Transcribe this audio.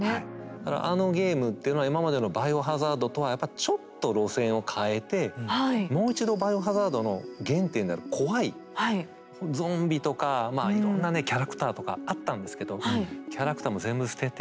だからあのゲームっていうのは今までの「バイオハザード」とはやっぱちょっと路線を変えてもう一度ゾンビとかいろんなねキャラクターとかあったんですけどキャラクターも全部捨てて。